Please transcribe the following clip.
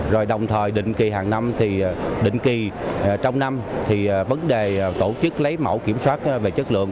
rồi đồng thời định kỳ hàng năm thì định kỳ trong năm thì vấn đề tổ chức lấy mẫu kiểm soát về chất lượng